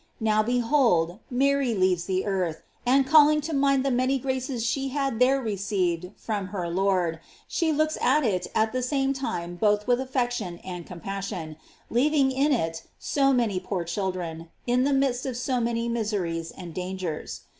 Now, behold, Mary leaves the earth, and calling to mind the many graces she had there re ceived from her Lord, she looks at it at the same time both with affection and compassion, leav ing in it so many poor children, in the midst of so many miseries and dangers.